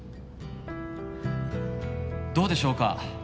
どうでしょうか？